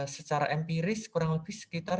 secara empiris kurang lebih sekitar